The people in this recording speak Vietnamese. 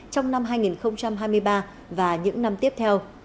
trong năm hai nghìn hai mươi ba và những năm tiếp theo